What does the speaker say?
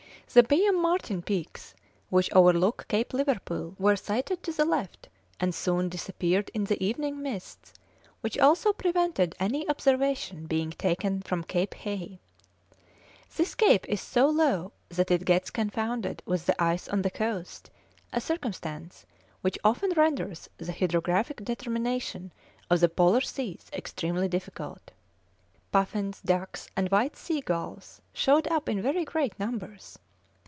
The Byam Martin peaks, which overlook Cape Liverpool, were sighted to the left, and soon disappeared in the evening mists, which also prevented any observation being taken from Cape Hay. This cape is so low that it gets confounded with the ice on the coast, a circumstance which often renders the hydrographic determination of the Polar seas extremely difficult. Puffins, ducks, and white sea gulls showed up in very great numbers.